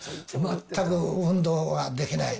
全く運動はできない。